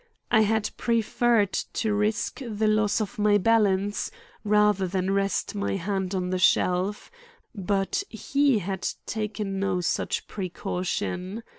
I had preferred to risk the loss of my balance, rather than rest my hand on the shelf, but he had taken no such precaution.